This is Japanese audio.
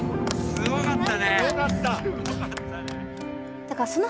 ・すごかった！